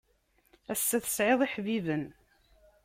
Ass-a tesɛiḍ iḥbiben.